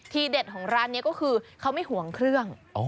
เด็ดของร้านนี้ก็คือเขาไม่ห่วงเครื่อง